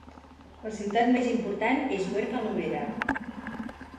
La ciutat més important és Huércal-Overa.